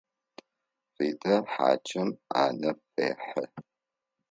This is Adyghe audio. Ритэ хьакӏэм ӏанэ фехьы.